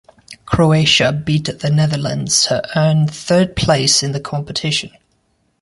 Croatia beat the Netherlands to earn third place in the competition.